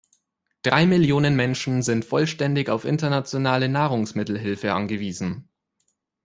Drei Millionen Menschen sind vollständig auf internationale Nahrungsmittelhilfe angewiesen.